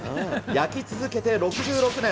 焼き続けて６６年。